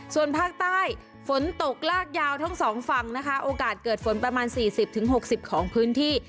ส่วนภาคใต้ฝนตกลากยาวทั้งสองฝั่งนะคะโอกาสเกิดฝนประมาณ๔๐๖๐ของพื้นที่